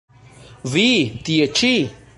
Vi, tie ĉi!